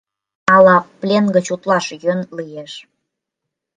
Ала плен гыч утлаш йӧн лиеш.